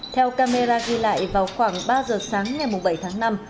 theo camera ghi lại vào khoảng ba giờ sáng ngày bảy tháng năm